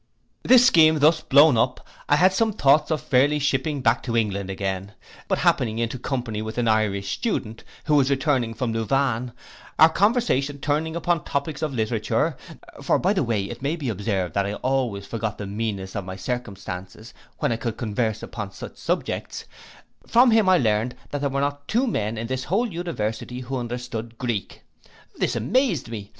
'This scheme thus blown up, I had some thoughts of fairly shipping back to England again; but happening into company with an Irish student, who was returning from Louvain, our conversation turning upon topics of literature, (for by the way it may be observed that I always forgot the meanness of my circumstances when I could converse upon such subjects) from him I learned that there were not two men in his whole university who understood Greek. This amazed me.